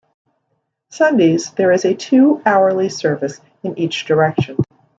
Sundays there is a two-hourly service in each direction.